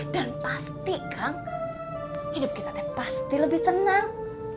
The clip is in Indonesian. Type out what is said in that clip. dan pasti kang hidup kita pasti lebih tenang